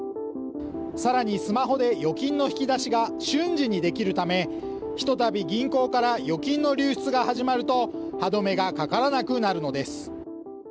更にスマホで預金の引き出しが瞬時にできるためひとたび銀行から預金の流出が始まると歯止めがかからなくなるのです。